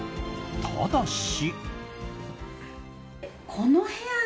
ただし。